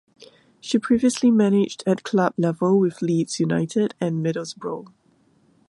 She previously managed at club level with Leeds United and Middlesbrough.